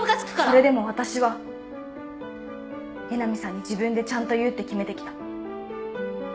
それでも私は江波さんに自分でちゃんと言うって決めてきた。